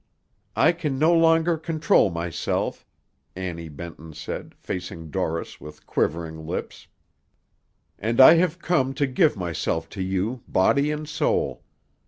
"I can no longer control myself," Annie Benton said, facing Dorris with quivering lips, "and I have come to give myself to you, body and soul.